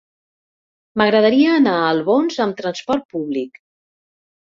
M'agradaria anar a Albons amb trasport públic.